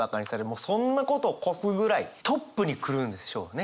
もうそんなことを越すぐらいトップに来るんでしょうね。